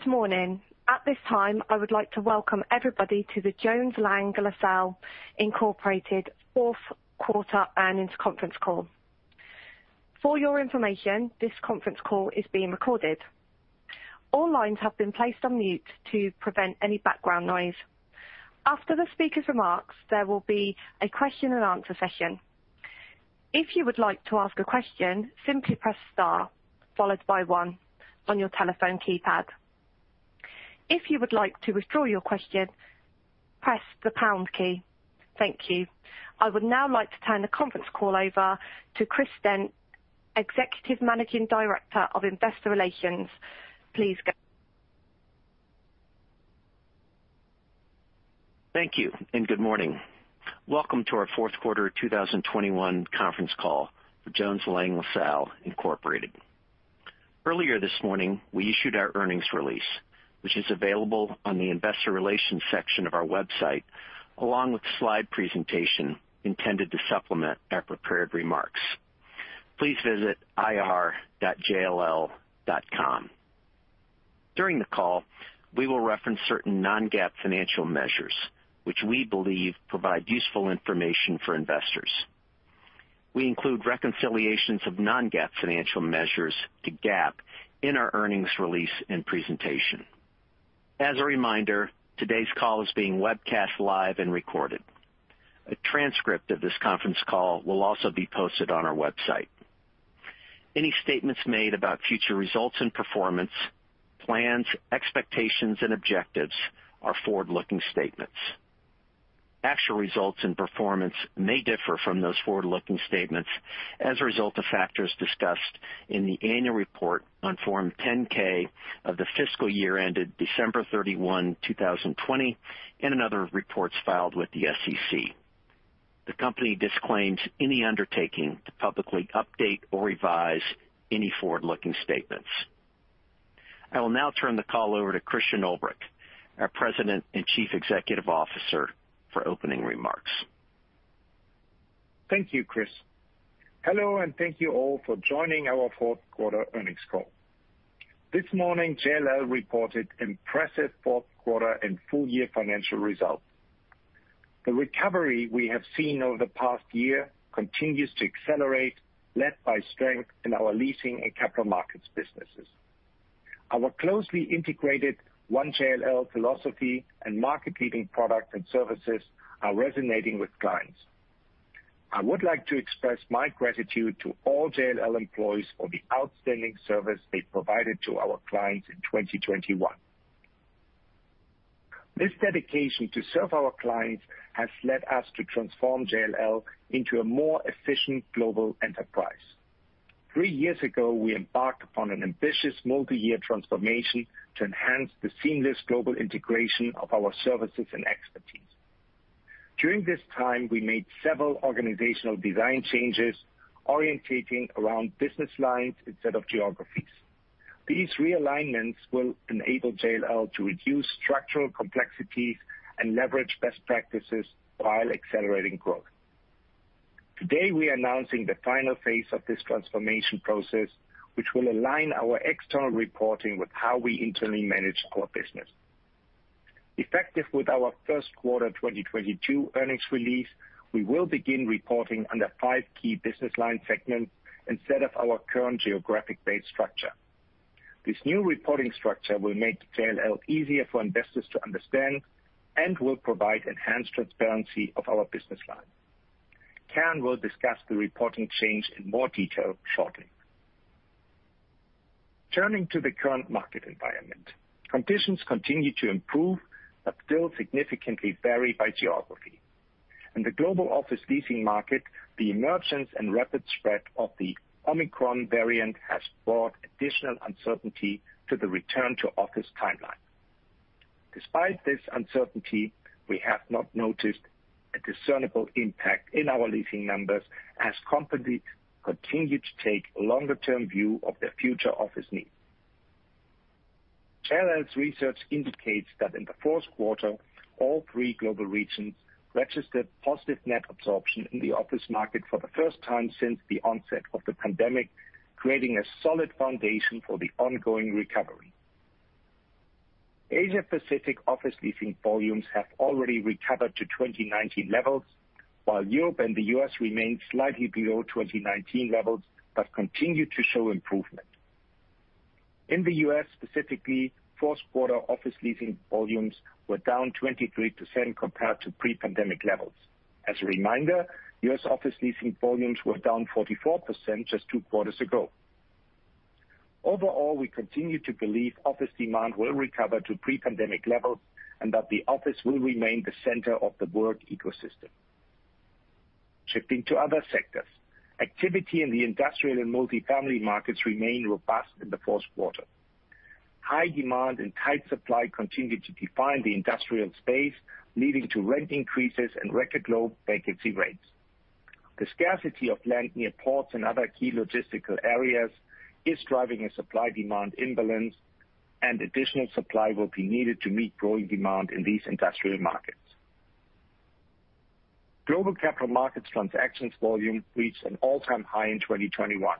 Good morning. At this time, I would like to welcome everybody to the Jones Lang LaSalle Incorporated fourth quarter earnings conference call. For your information, this conference call is being recorded. All lines have been placed on mute to prevent any background noise. After the speaker's remarks, there will be a question and answer session. If you would like to ask a question, simply press star followed by one on your telephone keypad. If you would like to withdraw your question, press the pound key. Thank you. I would now like to turn the conference call over to Chris Stent, Executive Managing Director of Investor Relations. Please go. Thank you and good morning. Welcome to our fourth quarter 2021 conference call for Jones Lang LaSalle Incorporated. Earlier this morning, we issued our earnings release, which is available on the investor relations section of our website, along with the slide presentation intended to supplement our prepared remarks. Please visit ir.jll.com. During the call, we will reference certain non-GAAP financial measures which we believe provide useful information for investors. We include reconciliations of non-GAAP financial measures to GAAP in our earnings release and presentation. As a reminder, today's call is being webcast live and recorded. A transcript of this conference call will also be posted on our website. Any statements made about future results and performance, plans, expectations and objectives are forward-looking statements. Actual results and performance may differ from those forward-looking statements as a result of factors discussed in the annual report on Form 10-K of the fiscal year ended December 31, 2020, and in other reports filed with the SEC. The company disclaims any undertaking to publicly update or revise any forward-looking statements. I will now turn the call over to Christian Ulbrich, our President and Chief Executive Officer, for opening remarks. Thank you, Chris. Hello, and thank you all for joining our fourth quarter earnings call. This morning, JLL reported impressive fourth quarter and full year financial results. The recovery we have seen over the past year continues to accelerate, led by strength in our leasing and Capital Markets businesses. Our closely integrated One JLL philosophy and market leading products and services are resonating with clients. I would like to express my gratitude to all JLL employees for the outstanding service they provided to our clients in 2021. This dedication to serve our clients has led us to transform JLL into a more efficient global enterprise. Three years ago, we embarked upon an ambitious multi-year transformation to enhance the seamless global integration of our services and expertise. During this time, we made several organizational design changes, orienting around business lines instead of geographies. These realignments will enable JLL to reduce structural complexities and leverage best practices while accelerating growth. Today we are announcing the final phase of this transformation process, which will align our external reporting with how we internally manage our business. Effective with our first quarter 2022 earnings release, we will begin reporting under five key business line segments instead of our current geographic based structure. This new reporting structure will make JLL easier for investors to understand and will provide enhanced transparency of our business line. Karen will discuss the reporting change in more detail shortly. Turning to the current market environment, conditions continue to improve, but still significantly vary by geography. In the global office leasing market, the emergence and rapid spread of the Omicron variant has brought additional uncertainty to the return to office timeline. Despite this uncertainty, we have not noticed a discernible impact in our leasing numbers as companies continue to take a longer term view of their future office needs. JLL's research indicates that in the fourth quarter, all three global regions registered positive net absorption in the office market for the first time since the onset of the pandemic, creating a solid foundation for the ongoing recovery. Asia Pacific office leasing volumes have already recovered to 2019 levels, while Europe and the U.S. remain slightly below 2019 levels, but continue to show improvement. In the U.S. specifically, fourth quarter office leasing volumes were down 23% compared to pre-pandemic levels. As a reminder, U.S. office leasing volumes were down 44% just two quarters ago. Overall, we continue to believe office demand will recover to pre-pandemic levels and that the office will remain the center of the work ecosystem. Shifting to other sectors. Activity in the industrial and multifamily markets remained robust in the fourth quarter. High demand and tight supply continued to define the industrial space, leading to rent increases and record low vacancy rates. The scarcity of land near ports and other key logistical areas is driving a supply demand imbalance, and additional supply will be needed to meet growing demand in these industrial markets. Global Capital Markets transactions volume reached an all-time high in 2021.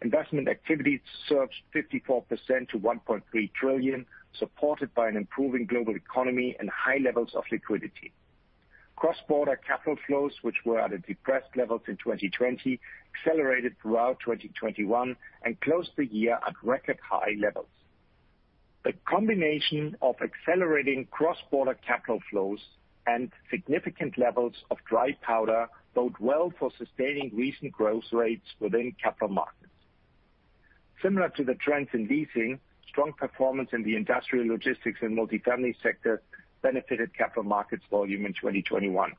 Investment activity surged 54% to $1.3 trillion, supported by an improving global economy and high levels of liquidity. Cross-border capital flows, which were at a depressed level in 2020, accelerated throughout 2021 and closed the year at record high levels. The combination of accelerating cross-border capital flows and significant levels of dry powder bode well for sustaining recent growth rates within Capital Markets. Similar to the trends in leasing, strong performance in the industrial logistics and multifamily sector benefited Capital Markets volume in 2021.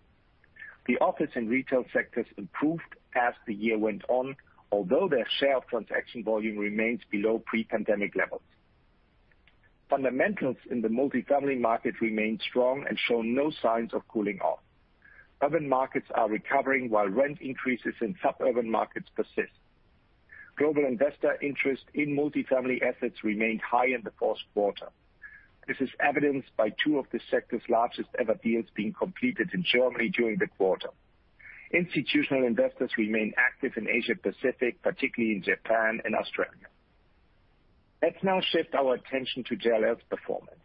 The office and retail sectors improved as the year went on, although their share of transaction volume remains below pre-pandemic levels. Fundamentals in the multifamily market remain strong and show no signs of cooling off. Urban markets are recovering, while rent increases in suburban markets persist. Global investor interest in multifamily assets remained high in the fourth quarter. This is evidenced by two of the sector's largest-ever deals being completed in Germany during the quarter. Institutional investors remain active in Asia Pacific, particularly in Japan and Australia. Let's now shift our attention to JLL's performance.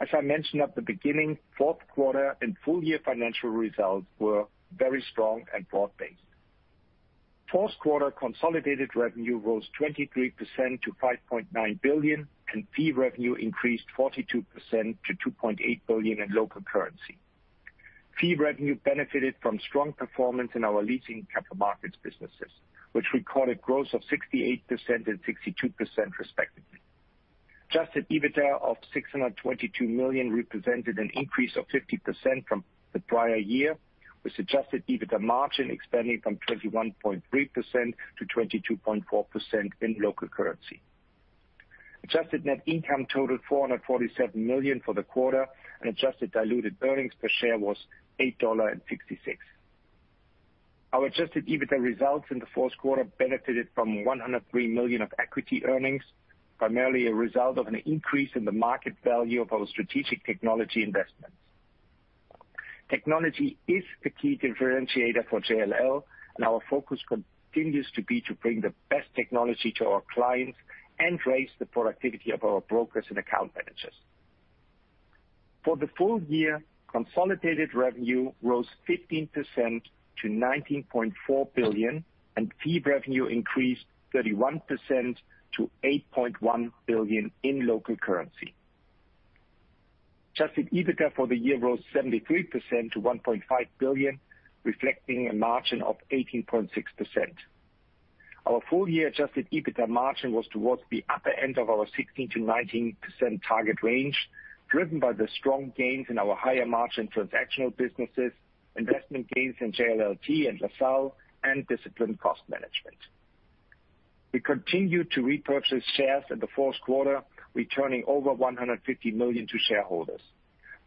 As I mentioned at the beginning, fourth quarter and full-year financial results were very strong and broad-based. Fourth quarter consolidated revenue rose 23% to $5.9 billion, and fee revenue increased 42% to $2.8 billion in local currency. Fee revenue benefited from strong performance in our leasing Capital Markets businesses, which recorded growth of 68% and 62% respectively. Adjusted EBITDA of $622 million represented an increase of 50% from the prior year, with Adjusted EBITDA margin expanding from 21.3% to 22.4% in local currency. Adjusted net income totaled $447 million for the quarter, and adjusted diluted earnings per share was $8.66. Our Adjusted EBITDA results in the fourth quarter benefited from $103 million of equity earnings, primarily a result of an increase in the market value of our strategic technology investments. Technology is the key differentiator for JLL, and our focus continues to be to bring the best technology to our clients and raise the productivity of our brokers and account managers. For the full year, consolidated revenue rose 15% to $19.4 billion, and fee revenue increased 31% to $8.1 billion in local currency. Adjusted EBITDA for the year rose 73% to $1.5 billion, reflecting a margin of 18.6%. Our full year adjusted EBITDA margin was towards the upper end of our 16%-19% target range, driven by the strong gains in our higher-margin transactional businesses, investment gains in JLLT and LaSalle, and disciplined cost management. We continued to repurchase shares in the fourth quarter, returning over $150 million to shareholders.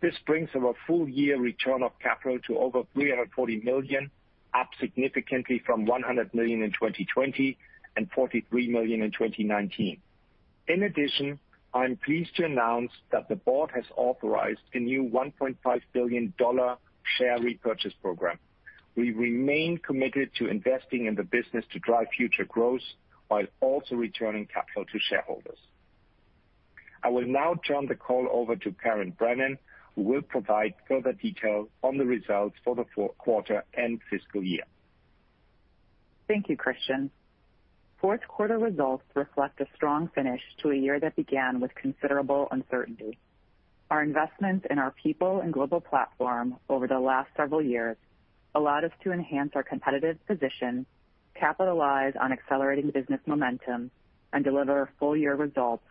This brings our full year return of capital to over $340 million, up significantly from $100 million in 2020 and $43 million in 2019. In addition, I am pleased to announce that the board has authorized a new $1.5 billion share repurchase program. We remain committed to investing in the business to drive future growth while also returning capital to shareholders. I will now turn the call over to Karen Brennan, who will provide further detail on the results for the fourth quarter and fiscal year. Thank you, Christian. Fourth quarter results reflect a strong finish to a year that began with considerable uncertainty. Our investments in our people and global platform over the last several years allowed us to enhance our competitive position, capitalize on accelerating business momentum, and deliver full year results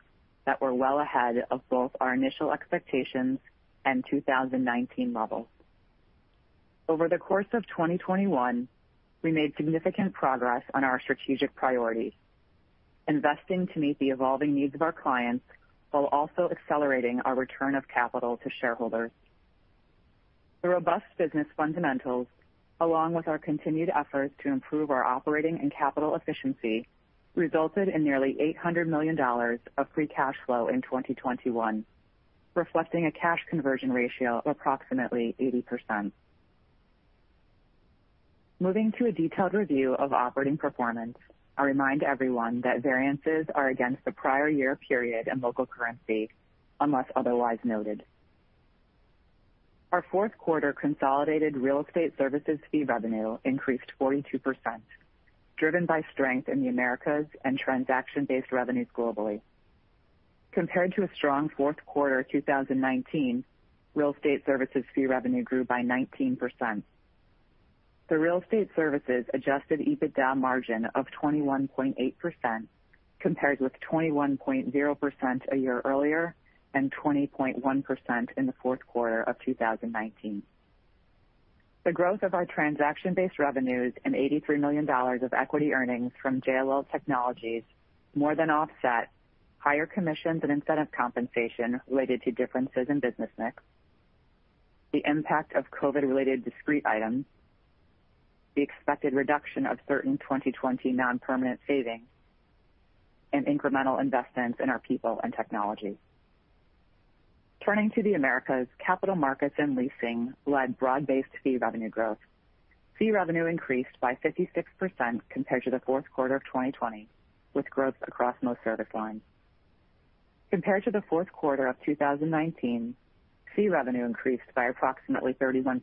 that were well ahead of both our initial expectations and 2019 levels. Over the course of 2021, we made significant progress on our strategic priorities, investing to meet the evolving needs of our clients while also accelerating our return of capital to shareholders. The robust business fundamentals, along with our continued efforts to improve our operating and capital efficiency, resulted in nearly $800 million of free cash flow in 2021, reflecting a cash conversion ratio of approximately 80%. Moving to a detailed review of operating performance, I remind everyone that variances are against the prior year period in local currency, unless otherwise noted. Our fourth quarter consolidated real estate services fee revenue increased 42%, driven by strength in the Americas and transaction-based revenues globally. Compared to a strong fourth quarter 2019, real estate services fee revenue grew by 19%. The real estate services adjusted EBITDA margin of 21.8% compared with 21.0% a year earlier and 20.1% in the fourth quarter of 2019. The growth of our transaction-based revenues and $83 million of equity earnings from JLL Technologies more than offset higher commissions and incentive compensation related to differences in business mix, the impact of COVID-related discrete items, the expected reduction of certain 2020 non-permanent savings, and incremental investments in our people and technology. Turning to the Americas, Capital Markets and Leasing led broad-based fee revenue growth. Fee revenue increased by 56% compared to the fourth quarter of 2020, with growth across most service lines. Compared to the fourth quarter of 2019, fee revenue increased by approximately 31%,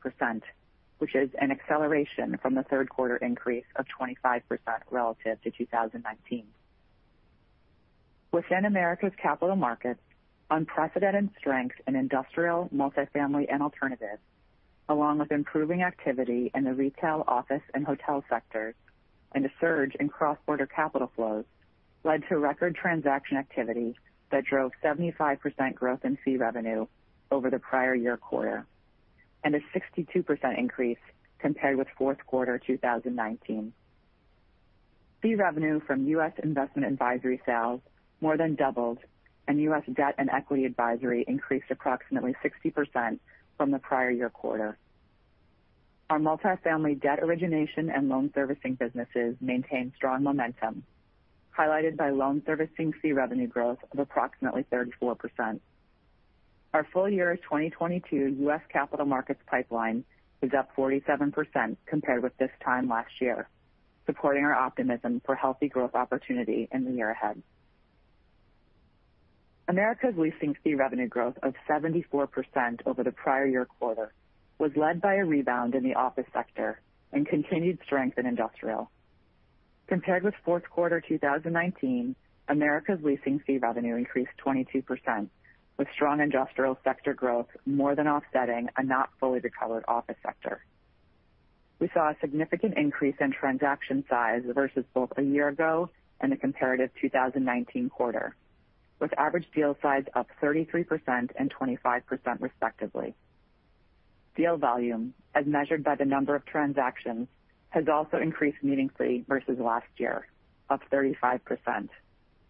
which is an acceleration from the third quarter increase of 25% relative to 2019. Within Americas Capital Markets, unprecedented strength in industrial, multifamily, and alternatives, along with improving activity in the retail, office, and hotel sectors, and a surge in cross-border capital flows led to record transaction activity that drove 75% growth in fee revenue over the prior year quarter, and a 62% increase compared with fourth quarter 2019. Fee revenue from U.S. investment advisory sales more than doubled, and U.S. debt and equity advisory increased approximately 60% from the prior year quarter. Our multifamily debt origination and loan servicing businesses maintained strong momentum, highlighted by loan servicing fee revenue growth of approximately 34%. Our full year 2022 U.S. Capital Markets pipeline is up 47% compared with this time last year, supporting our optimism for healthy growth opportunity in the year ahead. Americas leasing fee revenue growth of 74% over the prior year quarter was led by a rebound in the office sector and continued strength in industrial. Compared with fourth quarter 2019, Americas leasing fee revenue increased 22%, with strong industrial sector growth more than offsetting a not fully recovered office sector. We saw a significant increase in transaction size versus both a year ago and the comparative 2019 quarter, with average deal size up 33% and 25% respectively. Deal volume, as measured by the number of transactions, has also increased meaningfully versus last year, up 35%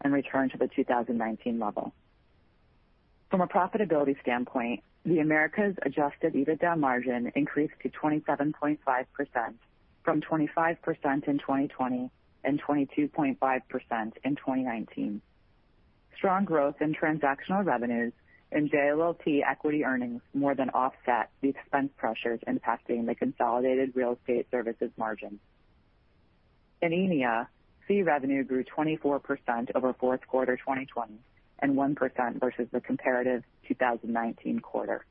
and returned to the 2019 level. From a profitability standpoint, the Americas adjusted EBITDA margin increased to 27.5% from 25% in 2020 and 22.5% in 2019. Strong growth in transactional revenues and JLLT equity earnings more than offset the expense pressures impacting the consolidated real estate services margin. In EMEA, fee revenue grew 24% over fourth quarter 2020 and 1% versus the comparative 2019 quarter,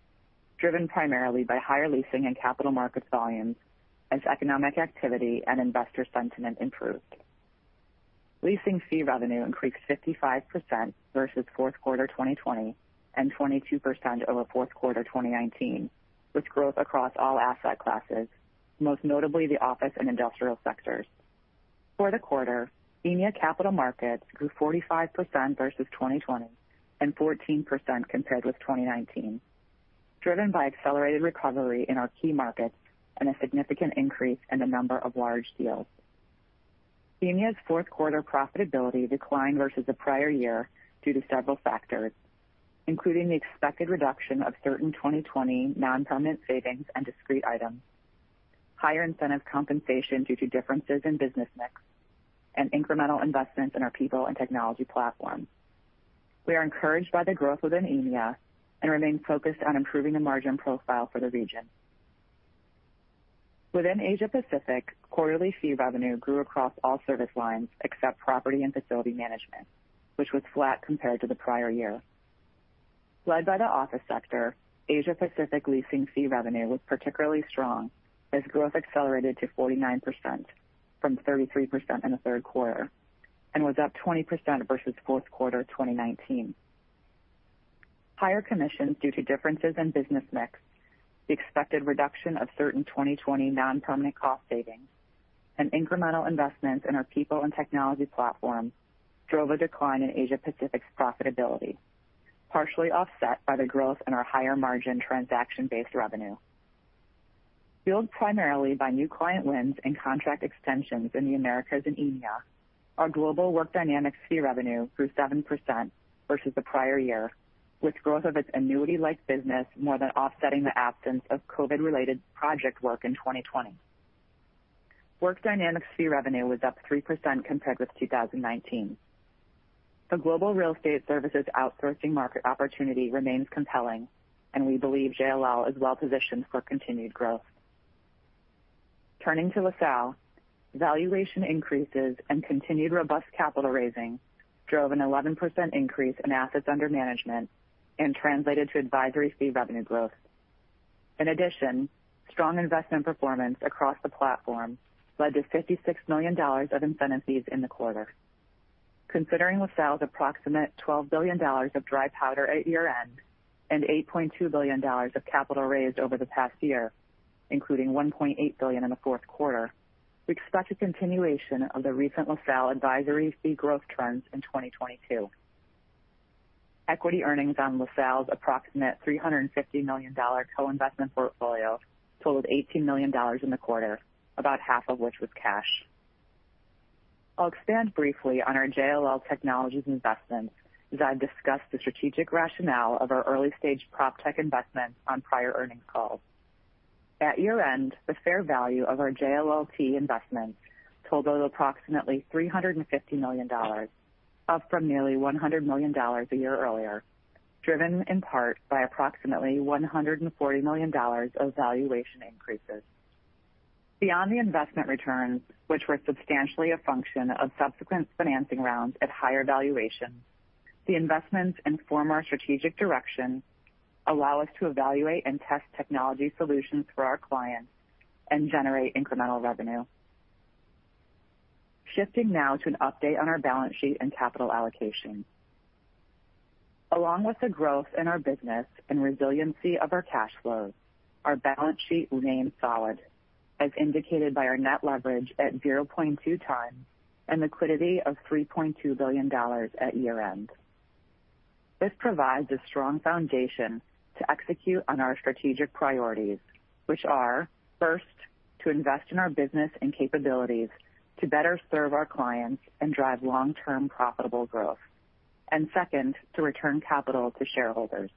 driven primarily by higher leasing and Capital Markets volumes as economic activity and investor sentiment improved. Leasing fee revenue increased 55% versus fourth quarter 2020 and 22% over fourth quarter 2019, with growth across all asset classes, most notably the office and industrial sectors. For the quarter, EMEA Capital Markets grew 45% versus 2020 and 14% compared with 2019, driven by accelerated recovery in our key markets and a significant increase in the number of large deals. EMEA's fourth quarter profitability declined versus the prior year due to several factors, including the expected reduction of certain 2020 non-permanent savings and discrete items, higher incentive compensation due to differences in business mix, and incremental investments in our people and technology platforms. We are encouraged by the growth within EMEA and remain focused on improving the margin profile for the region. Within Asia Pacific, quarterly fee revenue grew across all service lines except property and facility management, which was flat compared to the prior year. Led by the office sector, Asia Pacific leasing fee revenue was particularly strong as growth accelerated to 49% from 33% in the third quarter and was up 20% versus fourth quarter 2019. Higher commissions due to differences in business mix, the expected reduction of certain 2020 non-permanent cost savings, and incremental investments in our people and technology platforms drove a decline in Asia Pacific's profitability, partially offset by the growth in our higher margin transaction-based revenue. Fueled primarily by new client wins and contract extensions in the Americas and EMEA, our global Work Dynamics fee revenue grew 7% versus the prior year, with growth of its annuity-like business more than offsetting the absence of COVID-related project work in 2020. Work Dynamics fee revenue was up 3% compared with 2019. The global real estate services outsourcing market opportunity remains compelling, and we believe JLL is well positioned for continued growth. Turning to LaSalle, valuation increases and continued robust capital raising drove an 11% increase in assets under management and translated to advisory fee revenue growth. In addition, strong investment performance across the platform led to $56 million of incentive fees in the quarter. Considering LaSalle's approximate $12 billion of dry powder at year-end and $8.2 billion of capital raised over the past year, including $1.8 billion in the fourth quarter, we expect a continuation of the recent LaSalle advisory fee growth trends in 2022. Equity earnings on LaSalle's approximate $350 million co-investment portfolio totaled $18 million in the quarter, about half of which was cash. I'll expand briefly on our JLL Technologies investment, as I've discussed the strategic rationale of our early-stage PropTech investment on prior earnings calls. At year-end, the fair value of our JLLT investments totaled approximately $350 million, up from nearly $100 million a year earlier, driven in part by approximately $140 million of valuation increases. Beyond the investment returns, which were substantially a function of subsequent financing rounds at higher valuations, the investments inform our strategic direction, allow us to evaluate and test technology solutions for our clients, and generate incremental revenue. Shifting now to an update on our balance sheet and capital allocation. Along with the growth in our business and resiliency of our cash flows, our balance sheet remains solid, as indicated by our net leverage at 0.2 times and liquidity of $3.2 billion at year-end. This provides a strong foundation to execute on our strategic priorities, which are, first, to invest in our business and capabilities to better serve our clients and drive long-term profitable growth. Second, to return capital to shareholders.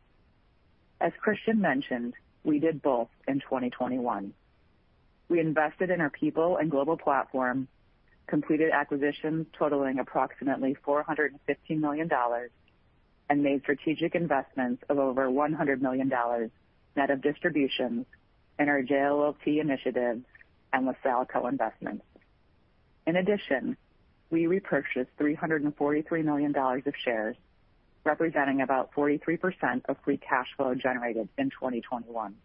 As Christian mentioned, we did both in 2021. We invested in our people and global platform, completed acquisitions totaling approximately $450 million, and made strategic investments of over $100 million net of distributions in our JLLT initiatives and LaSalle co-investments. In addition, we repurchased $343 million of shares, representing about 43% of free cash flow generated in 2021.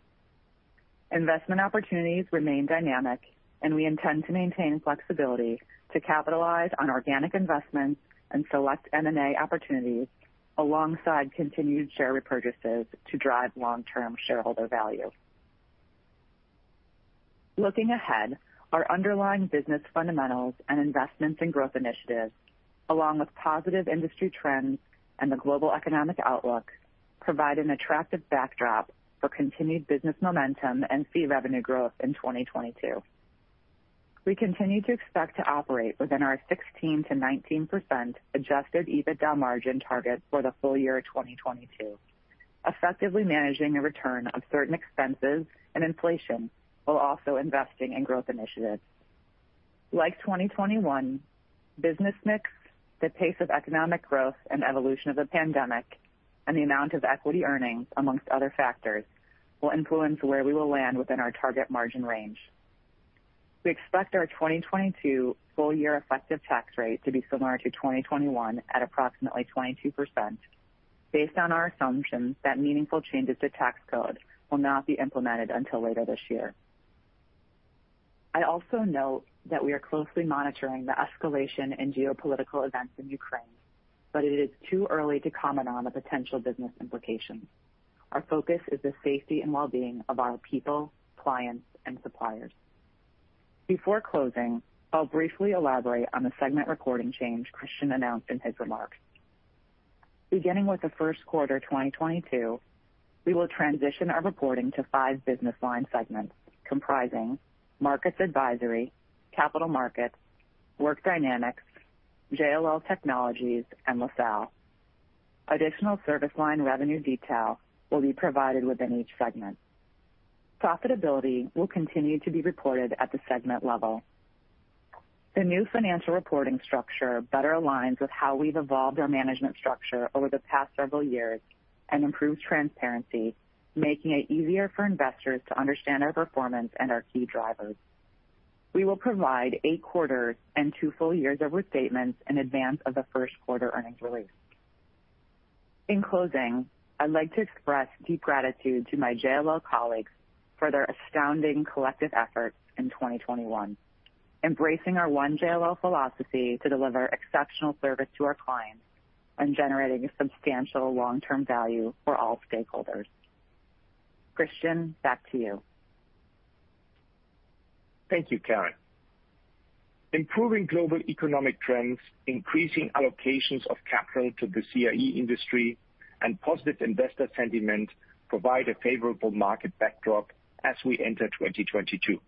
Investment opportunities remain dynamic, and we intend to maintain flexibility to capitalize on organic investments and select M&A opportunities alongside continued share repurchases to drive long-term shareholder value. Looking ahead, our underlying business fundamentals and investments in growth initiatives, along with positive industry trends and the global economic outlook, provide an attractive backdrop for continued business momentum and fee revenue growth in 2022. We continue to expect to operate within our 16%-19% adjusted EBITDA margin target for the full year of 2022, effectively managing the return of certain expenses and inflation while also investing in growth initiatives. Like 2021, business mix, the pace of economic growth and evolution of the pandemic, and the amount of equity earnings, amongst other factors, will influence where we will land within our target margin range. We expect our 2022 full year effective tax rate to be similar to 2021 at approximately 22% based on our assumptions that meaningful changes to tax code will not be implemented until later this year. I also note that we are closely monitoring the escalation in geopolitical events in Ukraine, but it is too early to comment on the potential business implications. Our focus is the safety and well-being of our people, clients, and suppliers. Before closing, I'll briefly elaborate on the segment reporting change Christian announced in his remarks. Beginning with the first quarter 2022, we will transition our reporting to five business line segments comprising Markets Advisory, Capital Markets, Work Dynamics, JLL Technologies, and LaSalle. Additional service line revenue detail will be provided within each segment. Profitability will continue to be reported at the segment level. The new financial reporting structure better aligns with how we've evolved our management structure over the past several years and improves transparency, making it easier for investors to understand our performance and our key drivers. We will provide eight quarters and two full years of restatements in advance of the first quarter earnings release. In closing, I'd like to express deep gratitude to my JLL colleagues for their astounding collective efforts in 2021, embracing our One JLL philosophy to deliver exceptional service to our clients and generating substantial long-term value for all stakeholders. Christian, back to you. Thank you, Karen. Improving global economic trends, increasing allocations of capital to the CRE industry, and positive investor sentiment provide a favorable market backdrop as we enter 2022.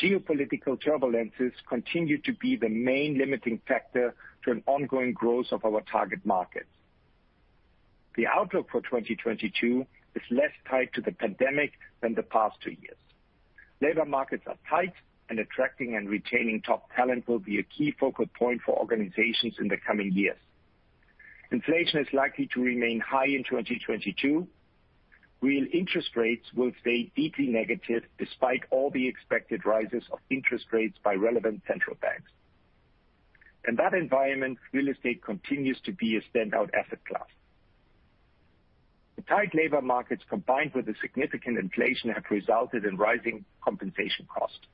Geopolitical turbulences continue to be the main limiting factor to an ongoing growth of our target markets. The outlook for 2022 is less tied to the pandemic than the past two years. Labor markets are tight, and attracting and retaining top talent will be a key focal point for organizations in the coming years. Inflation is likely to remain high in 2022. Real interest rates will stay deeply negative despite all the expected rises of interest rates by relevant central banks. In that environment, real estate continues to be a standout asset class. The tight labor markets, combined with the significant inflation, have resulted in rising compensation costs.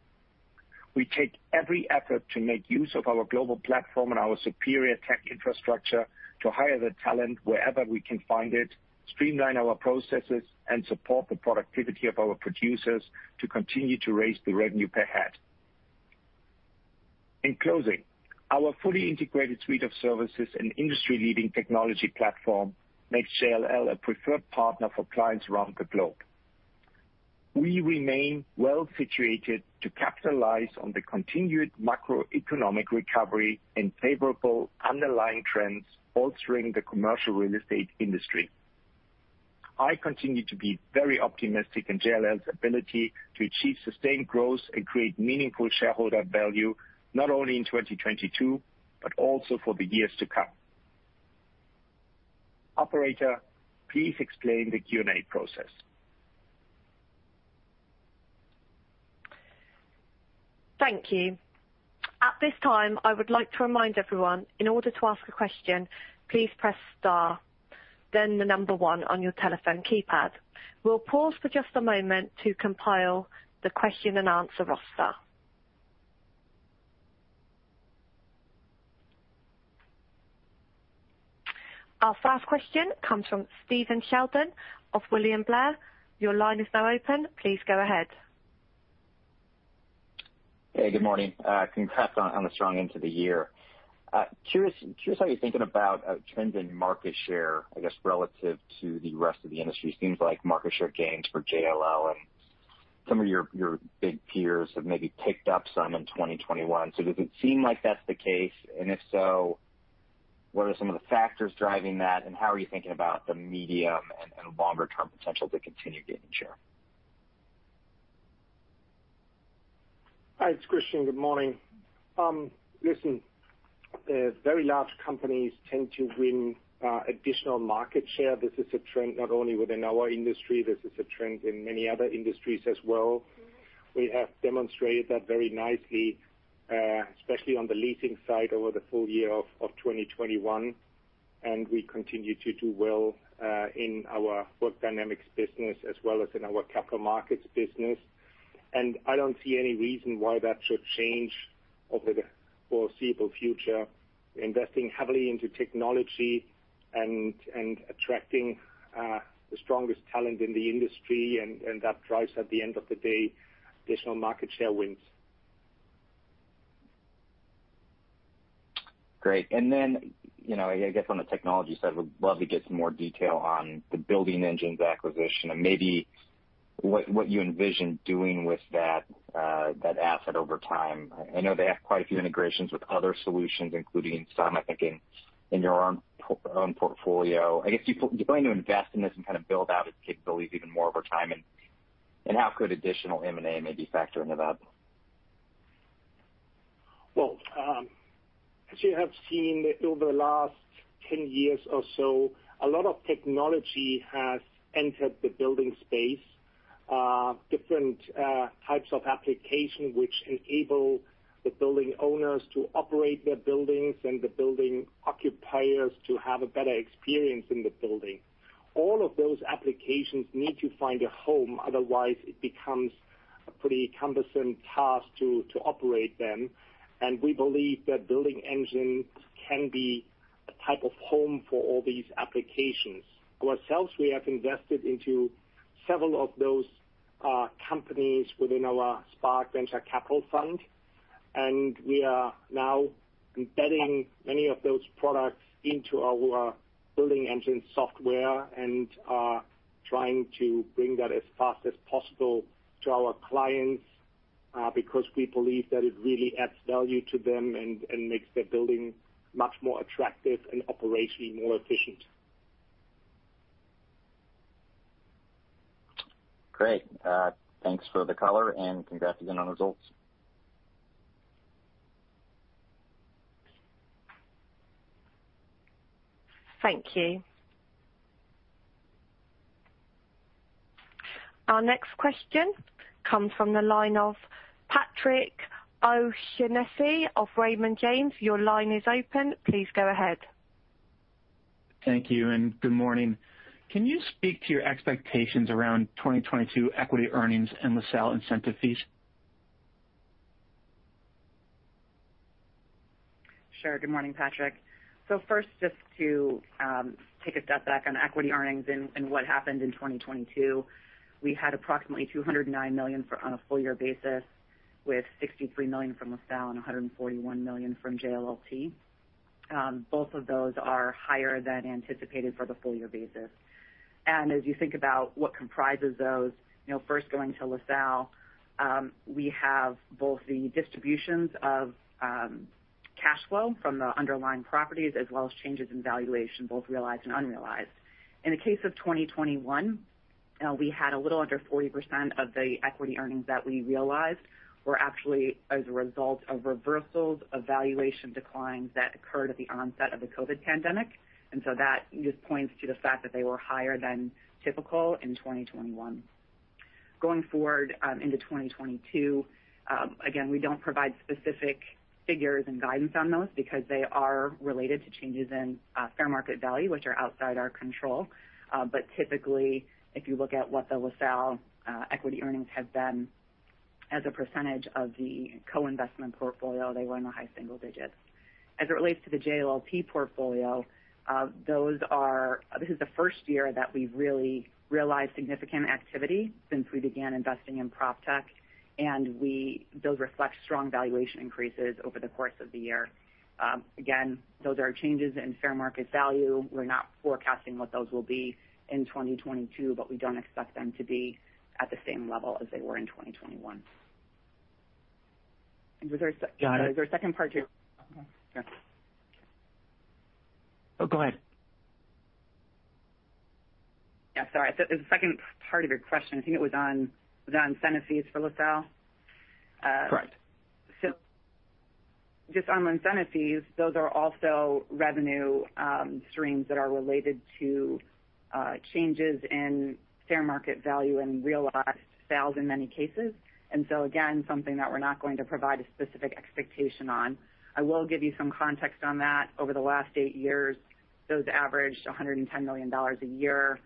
We take every effort to make use of our global platform and our superior tech infrastructure to hire the talent wherever we can find it, streamline our processes, and support the productivity of our producers to continue to raise the revenue per head. In closing, our fully integrated suite of services and industry-leading technology platform makes JLL a preferred partner for clients around the globe. We remain well situated to capitalize on the continued macroeconomic recovery and favorable underlying trends bolstering the commercial real estate industry. I continue to be very optimistic in JLL's ability to achieve sustained growth and create meaningful shareholder value, not only in 2022, but also for the years to come. Operator, please explain the Q&A process. Thank you. At this time, I would like to remind everyone, in order to ask a question, please press star, then the number one on your telephone keypad. We'll pause for just a moment to compile the question and answer roster. Our first question comes from Stephen Sheldon of William Blair. Your line is now open. Please go ahead. Hey, good morning. Congrats on the strong end to the year. Curious how you're thinking about trends in market share, I guess, relative to the rest of the industry. Seems like market share gains for JLL and some of your big peers have maybe picked up some in 2021. Does it seem like that's the case? And if so, what are some of the factors driving that? And how are you thinking about the medium and longer term potential to continue gaining share? Hi, it's Christian. Good morning. Listen, very large companies tend to win additional market share. This is a trend not only within our industry. This is a trend in many other industries as well. We have demonstrated that very nicely, especially on the leasing side over the full year of 2021, and we continue to do well in our Work Dynamics business as well as in our Capital Markets business. I don't see any reason why that should change over the foreseeable future, investing heavily into technology and attracting the strongest talent in the industry, and that drives, at the end of the day, additional market share wins. Great. Then, you know, I guess on the technology side, would love to get some more detail on the Building Engines acquisition and maybe what you envision doing with that that asset over time. I know they have quite a few integrations with other solutions, including some, I think, in your own portfolio. I guess, do you plan to invest in this and kind of build out its capabilities even more over time? How could additional M&A maybe factor into that? As you have seen over the last 10 years or so, a lot of technology has entered the building space. Different, types of application which enable the building owners to operate their buildings and the building occupiers to have a better experience in the building. All of those applications need to find a home, otherwise it becomes a pretty cumbersome task to operate them. We believe that Building Engines can be a type of home for all these applications. We have invested into several of those companies within our JLL Spark venture capital fund, and we are now embedding many of those products into our Building Engines software and are trying to bring that as fast as possible to our clients, because we believe that it really adds value to them and makes their building much more attractive and operationally more efficient. Great. Thanks for the color and congrats again on the results. Thank you. Our next question comes from the line of Patrick O'Shaughnessy of Raymond James. Your line is open. Please go ahead. Thank you and good morning. Can you speak to your expectations around 2022 equity earnings and LaSalle incentive fees? Sure. Good morning, Patrick. First, just to take a step back on equity earnings and what happened in 2022. We had approximately $209 million on a full year basis, with $63 million from LaSalle and $141 million from JLLT. Both of those are higher than anticipated for the full year basis. As you think about what comprises those, you know, first going to LaSalle, we have both the distributions of cash flow from the underlying properties as well as changes in valuation, both realized and unrealized. In the case of 2021, we had a little under 40% of the equity earnings that we realized were actually as a result of reversals of valuation declines that occurred at the onset of the COVID pandemic. That just points to the fact that they were higher than typical in 2021. Going forward, into 2022, again, we don't provide specific figures and guidance on those because they are related to changes in fair market value, which are outside our control. But typically, if you look at what the LaSalle equity earnings have been as a percentage of the co-investment portfolio, they were in the high single digits. As it relates to the JLLT portfolio, this is the first year that we've really realized significant activity since we began investing in PropTech, those reflect strong valuation increases over the course of the year. Again, those are changes in fair market value. We're not forecasting what those will be in 2022, but we don't expect them to be at the same level as they were in 2021. Was there a second part to your question? Oh, go ahead. Yeah, sorry. The second part of your question, I think it was on incentive fees for LaSalle. Correct. Just on incentive fees, those are also revenue streams that are related to changes in fair market value and realized sales in many cases. Again, something that we're not going to provide a specific expectation on. I will give you some context on that. Over the last eight years, those averaged $110 million a year,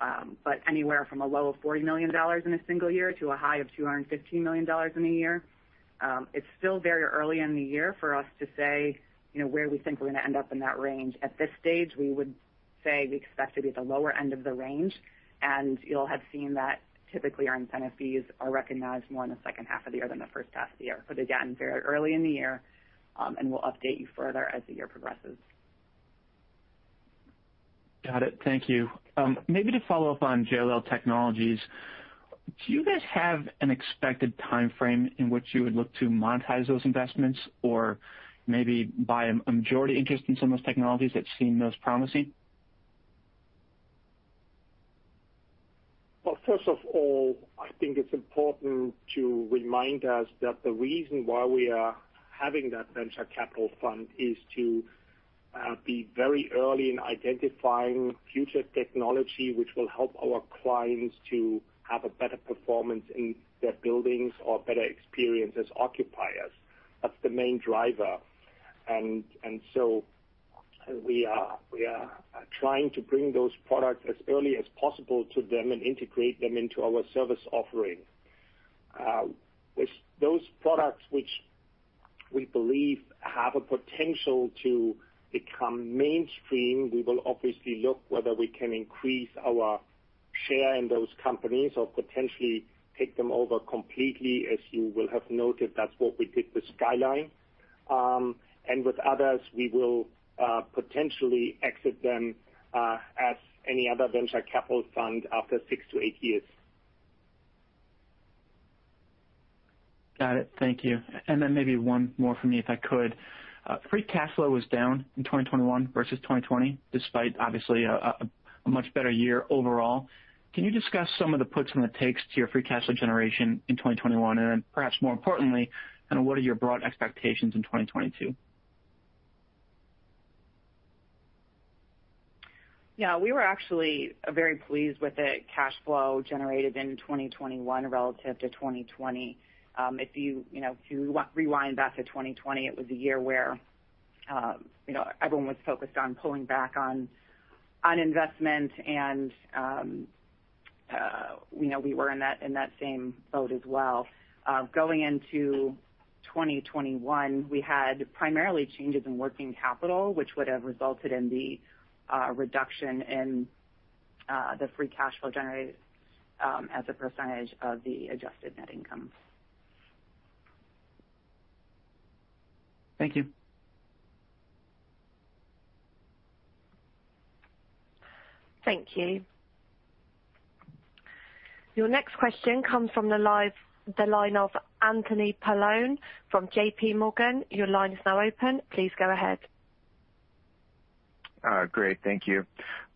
but anywhere from a low of $40 million in a single year to a high of $215 million in a year. It's still very early in the year for us to say, you know, where we think we're gonna end up in that range. At this stage, we would say we expect to be at the lower end of the range, and you'll have seen that typically our incentive fees are recognized more in the second half of the year than the first half of the year. Again, very early in the year, and we'll update you further as the year progresses. Got it. Thank you. Maybe to follow up on JLL Technologies, do you guys have an expected timeframe in which you would look to monetize those investments or maybe buy a majority interest in some of those technologies that seem most promising? Well, first of all, I think it's important to remind us that the reason why we are having that venture capital fund is to be very early in identifying future technology which will help our clients to have a better performance in their buildings or better experience as occupiers. That's the main driver. We are trying to bring those products as early as possible to them and integrate them into our service offering. Those products which we believe have a potential to become mainstream, we will obviously look whether we can increase our share in those companies or potentially take them over completely. As you will have noted, that's what we did with Skyline. With others, we will potentially exit them as any other venture capital fund after 6-8 years. Got it. Thank you. Maybe one more for me, if I could. Free cash flow was down in 2021 versus 2020, despite obviously a much better year overall. Can you discuss some of the puts and the takes to your free cash flow generation in 2021? And then perhaps more importantly, kinda what are your broad expectations in 2022? Yeah. We were actually very pleased with the cash flow generated in 2021 relative to 2020. If you know, if you rewind back to 2020, it was a year where you know, everyone was focused on pulling back on investment and you know, we were in that same boat as well. Going into 2021, we had primarily changes in working capital, which would have resulted in the reduction in the free cash flow generated as a percentage of the adjusted net income. Thank you. Thank you. Your next question comes from the line of Anthony Paolone from JP Morgan. Your line is now open. Please go ahead. Great. Thank you.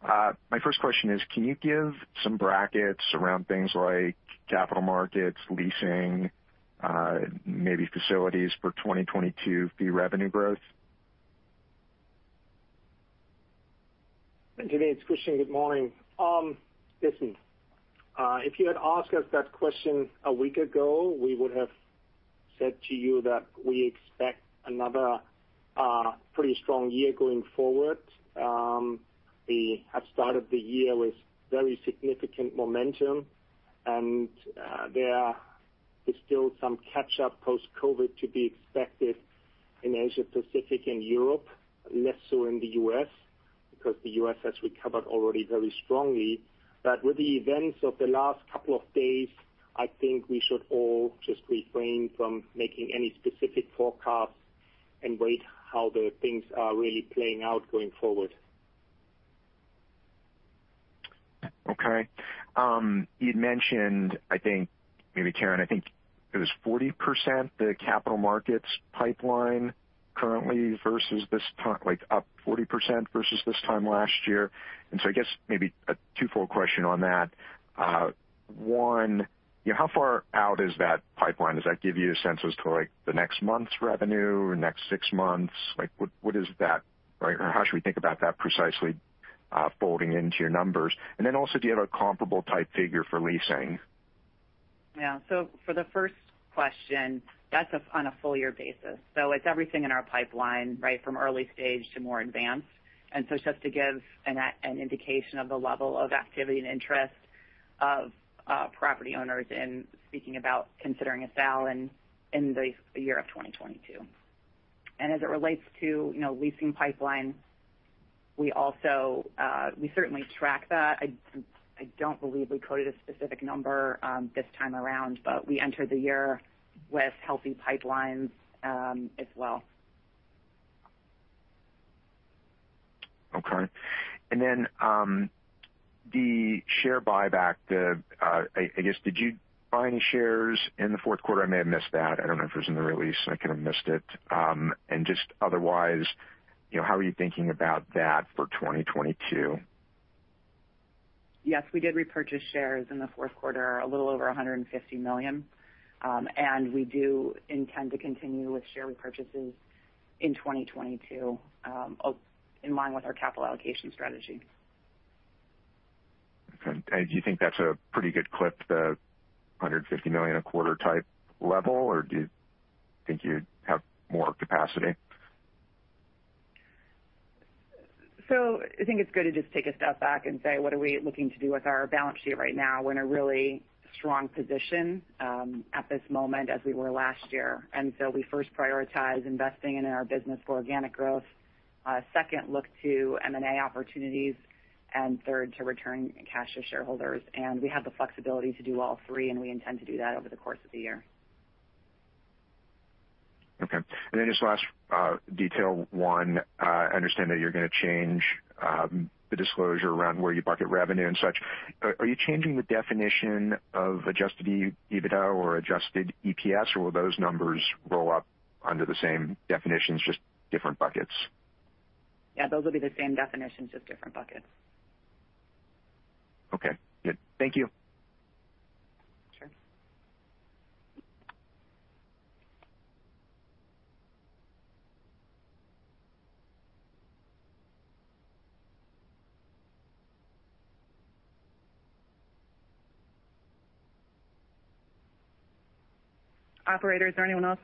My first question is, can you give some brackets around things like Capital Markets, leasing, maybe facilities for 2022 fee revenue growth? Anthony, it's Christian. Good morning. Listen, if you had asked us that question a week ago, we would have said to you that we expect another pretty strong year going forward. We have started the year with very significant momentum, and there is still some catch-up post-COVID to be expected in Asia-Pacific and Europe, less so in the U.S., because the U.S. has recovered already very strongly. With the events of the last couple of days, I think we should all just refrain from making any specific forecasts and wait how the things are really playing out going forward. Okay. You'd mentioned, I think, maybe Karen, I think it was 40% the Capital Markets pipeline currently versus this time like up 40% versus this time last year. I guess maybe a twofold question on that. One, you know, how far out is that pipeline? Does that give you a sense as to like the next month's revenue or next six months? Like what is that? Right. Or how should we think about that precisely, folding into your numbers? Then also, do you have a comparable type figure for leasing? Yeah. For the first question, that's on a full year basis. It's everything in our pipeline, right, from early stage to more advanced. It's just to give an indication of the level of activity and interest of property owners in speaking about considering a sale in the year of 2022. As it relates to, you know, leasing pipeline, we also certainly track that. I don't believe we quoted a specific number this time around, but we entered the year with healthy pipelines as well. The share buyback, I guess, did you buy any shares in the fourth quarter? I may have missed that. I don't know if it was in the release, I could have missed it. Just otherwise, you know, how are you thinking about that for 2022? Yes, we did repurchase shares in the fourth quarter, a little over $150 million. We do intend to continue with share repurchases in 2022, in line with our capital allocation strategy. Okay. Do you think that's a pretty good clip, the $150 million a quarter type level, or do you think you have more capacity? I think it's good to just take a step back and say, what are we looking to do with our balance sheet right now? We're in a really strong position at this moment as we were last year. We first prioritize investing in our business for organic growth, second look to M&A opportunities, and third to return cash to shareholders. We have the flexibility to do all three, and we intend to do that over the course of the year. Okay. Just one last detail, I understand that you're gonna change the disclosure around where you bucket revenue and such. Are you changing the definition of adjusted EBITDA or adjusted EPS, or will those numbers roll up under the same definitions, just different buckets? Yeah, those will be the same definitions, just different buckets. Okay. Good. Thank you. Sure. Operator, is there anyone else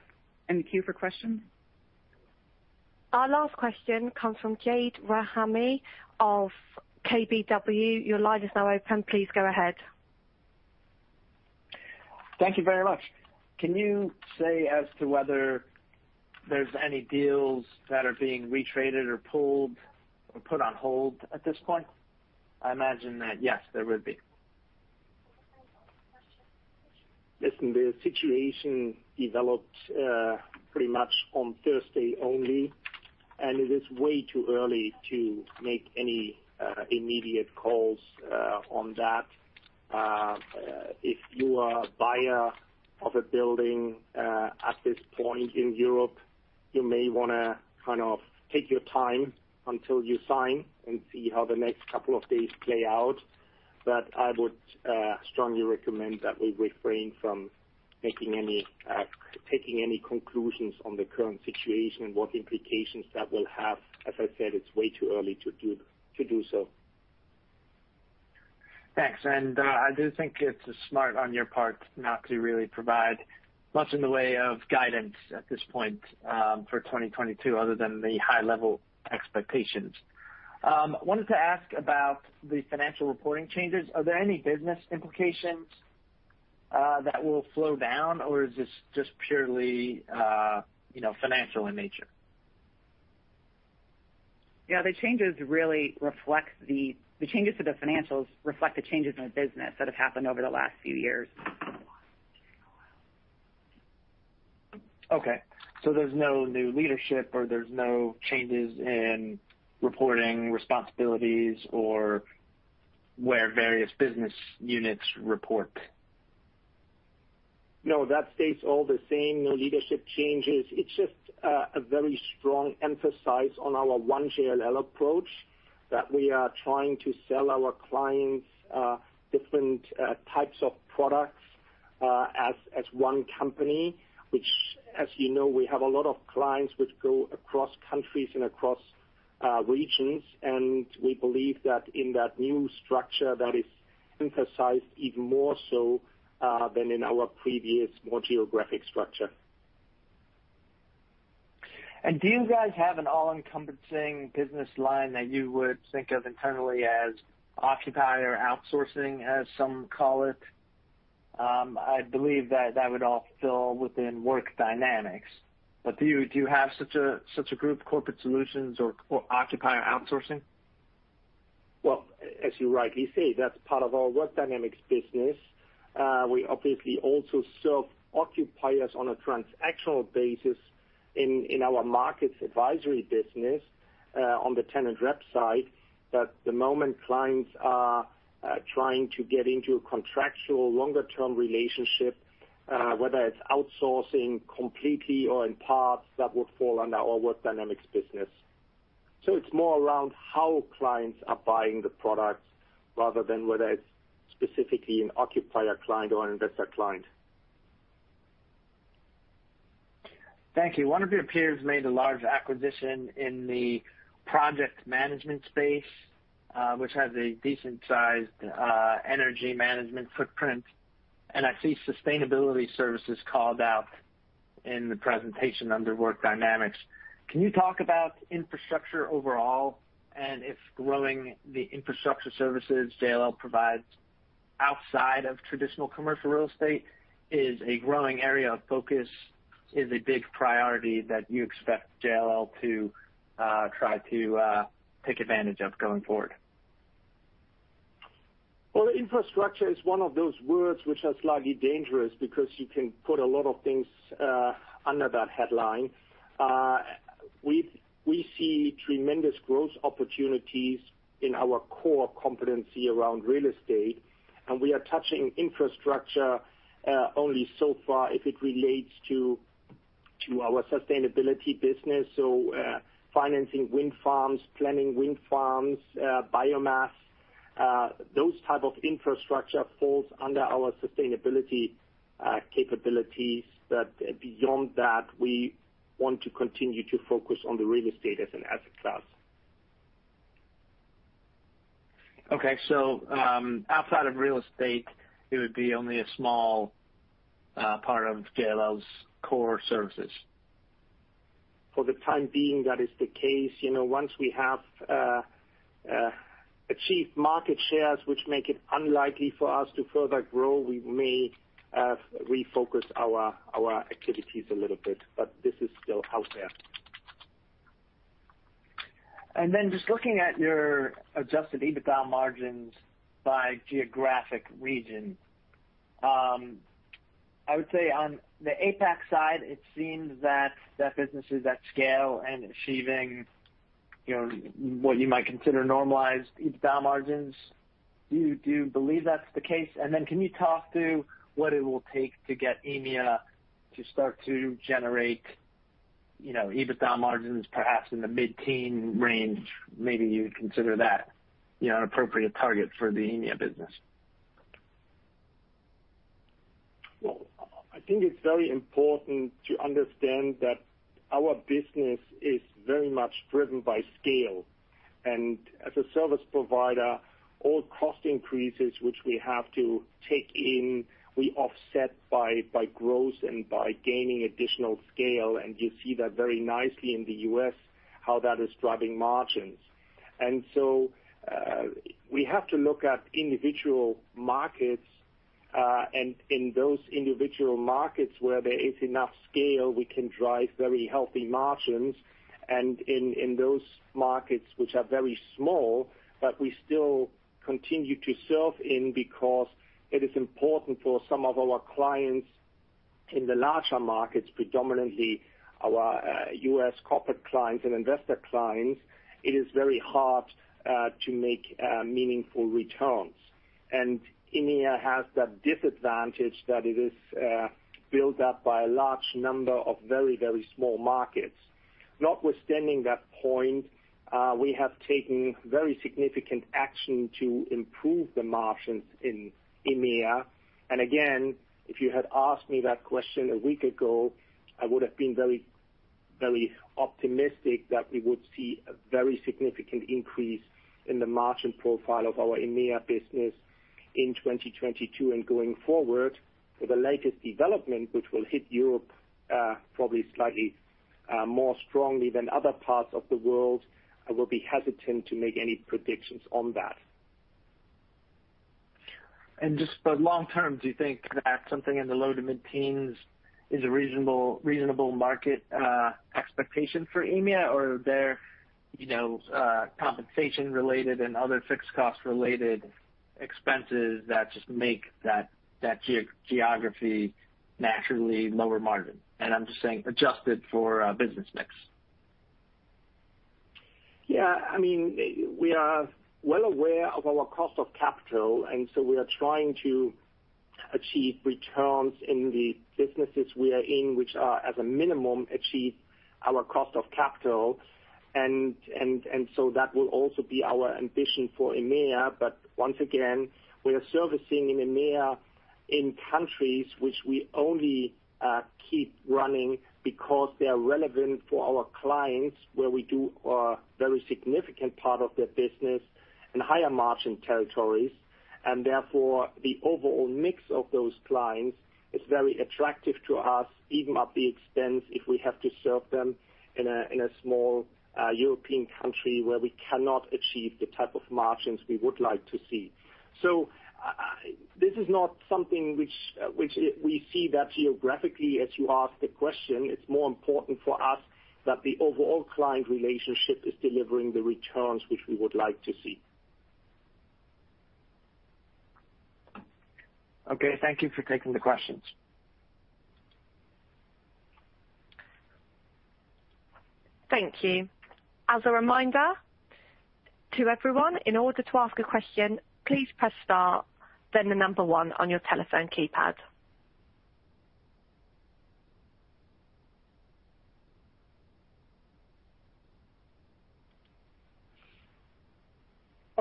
in the queue for questions? Our last question comes from Jade Rahmani of KBW. Your line is now open. Please go ahead. Thank you very much. Can you say as to whether there's any deals that are being retraded or pulled or put on hold at this point? I imagine that, yes, there would be. Listen, the situation developed pretty much on Thursday only, and it is way too early to make any immediate calls on that. If you are a buyer of a building at this point in Europe, you may wanna kind of take your time until you sign and see how the next couple of days play out. I would strongly recommend that we refrain from drawing any conclusions on the current situation and what implications that will have. As I said, it's way too early to do so. Thanks. I do think it's smart on your part not to really provide much in the way of guidance at this point for 2022, other than the high-level expectations. I wanted to ask about the financial reporting changes. Are there any business implications that will flow down, or is this just purely, you know, financial in nature? The changes to the financials reflect the changes in the business that have happened over the last few years. Okay, there's no new leadership or there's no changes in reporting responsibilities or where various business units report. No, that stays all the same, no leadership changes. It's just a very strong emphasis on our One JLL approach that we are trying to sell our clients different types of products as one company, which, as you know, we have a lot of clients which go across countries and across regions. We believe that in that new structure that is synthesized even more so than in our previous more geographic structure. Do you guys have an all-encompassing business line that you would think of internally as occupier outsourcing, as some call it? I believe that would all fall within Work Dynamics. Do you have such a group, corporate solutions or occupier outsourcing? Well, as you rightly say, that's part of our Work Dynamics business. We obviously also serve occupiers on a transactional basis in our Markets Advisory business, on the tenant rep side. The moment clients are trying to get into a contractual longer-term relationship, whether it's outsourcing completely or in parts, that would fall under our Work Dynamics business. It's more around how clients are buying the products rather than whether it's specifically an occupier client or an investor client. Thank you. One of your peers made a large acquisition in the project management space, which has a decent sized, energy management footprint, and I see sustainability services called out in the presentation under Work Dynamics. Can you talk about infrastructure overall and if growing the infrastructure services JLL provides outside of traditional commercial real estate is a growing area of focus, is a big priority that you expect JLL to, try to, take advantage of going forward? Well, infrastructure is one of those words which are slightly dangerous because you can put a lot of things under that headline. We see tremendous growth opportunities in our core competency around real estate, and we are touching infrastructure only so far if it relates to our sustainability business, financing wind farms, planning wind farms, biomass, those type of infrastructure falls under our sustainability capabilities. Beyond that, we want to continue to focus on the real estate as an asset class. Okay, outside of real estate, it would be only a small part of JLL's core services. For the time being, that is the case. You know, once we have achieved market shares which make it unlikely for us to further grow, we may refocus our activities a little bit, but this is still out there. Just looking at your adjusted EBITDA margins by geographic region. I would say on the APAC side, it seems that business is at scale and achieving, you know, what you might consider normalized EBITDA margins. Do you believe that's the case? Can you talk to what it will take to get EMEA to start to generate, you know, EBITDA margins perhaps in the mid-teen range? Maybe you'd consider that, you know, an appropriate target for the EMEA business. Well, I think it's very important to understand that our business is very much driven by scale. As a service provider, all cost increases which we have to take in, we offset by growth and by gaining additional scale. You see that very nicely in the U.S., how that is driving margins. We have to look at individual markets, and in those individual markets where there is enough scale, we can drive very healthy margins. In those markets which are very small, but we still continue to serve in because it is important for some of our clients in the larger markets, predominantly our U.S. corporate clients and investor clients, it is very hard to make meaningful returns. EMEA has that disadvantage that it is built up by a large number of very, very small markets. Notwithstanding that point, we have taken very significant action to improve the margins in EMEA. Again, if you had asked me that question a week ago, I would have been very, very optimistic that we would see a very significant increase in the margin profile of our EMEA business in 2022 and going forward. With the latest development, which will hit Europe, probably slightly, more strongly than other parts of the world, I will be hesitant to make any predictions on that. Just for long-term, do you think that something in the low to mid-teens is a reasonable market expectation for EMEA? Or are there compensation-related and other fixed-cost-related expenses that just make that geography naturally lower margin? I'm just saying adjusted for business mix. Yeah. I mean, we are well aware of our cost of capital, and so we are trying to achieve returns in the businesses we are in, which are, as a minimum, achieve our cost of capital. That will also be our ambition for EMEA. Once again, we are servicing in EMEA in countries which we only keep running because they are relevant for our clients, where we do a very significant part of their business in higher margin territories. Therefore, the overall mix of those clients is very attractive to us, even at the expense if we have to serve them in a small European country where we cannot achieve the type of margins we would like to see. This is not something which we see that geographically as you ask the question. It's more important for us that the overall client relationship is delivering the returns which we would like to see. Okay. Thank you for taking the questions. Thank you. As a reminder to everyone, in order to ask a question, please press star, then the number one on your telephone keypad.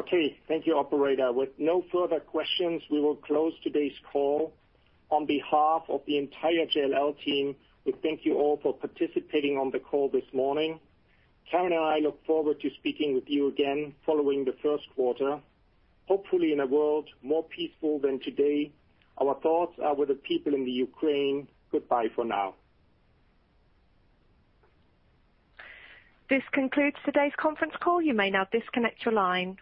Okay. Thank you, operator. With no further questions, we will close today's call. On behalf of the entire JLL team, we thank you all for participating on the call this morning. Karen and I look forward to speaking with you again following the first quarter, hopefully in a world more peaceful than today. Our thoughts are with the people in the Ukraine. Goodbye for now. This concludes today's conference call. You may now disconnect your line.